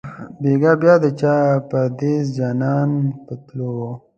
بیګا بیا د چا پردېس جانان په تلو وو